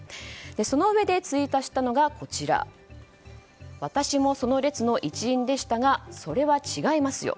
そのうえでツイートしたのが私もその列の一員でしたがそれは違いますよ。